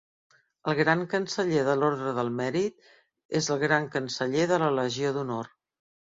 El Gran Canceller de l'Orde del Mèrit és el Gran Canceller de la Legió d'Honor.